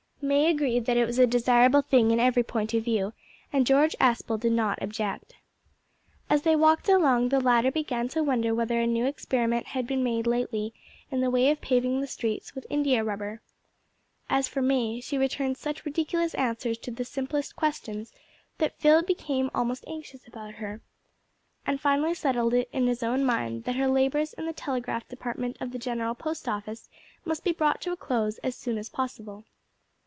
May agreed that it was a desirable thing in every point of view, and George Aspel did not object. As they walked along, the latter began to wonder whether a new experiment had been made lately in the way of paving the streets with india rubber. As for May, she returned such ridiculous answers to the simplest questions, that Phil became almost anxious about her, and finally settled it in his own mind that her labours in the telegraph department of the General Post Office must be brought to a close as soon as possible.